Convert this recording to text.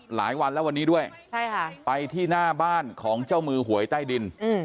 หลายวันแล้ววันนี้ด้วยไปที่หน้าบ้านของเจ้ามือหวยใต้ดิน